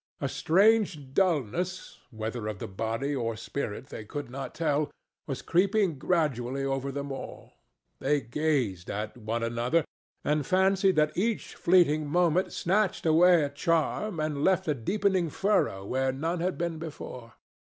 A strange dullness—whether of the body or spirit they could not tell—was creeping gradually over them all. They gazed at one another, and fancied that each fleeting moment snatched away a charm and left a deepening furrow where none had been before.